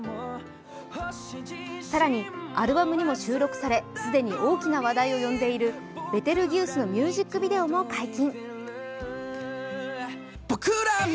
更にアルバムにも収録され、既に大きな話題を呼んでいる「ベテルギウス」のミュージックビデオも解禁。